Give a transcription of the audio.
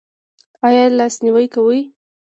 ایا لاس نیوی کوئ؟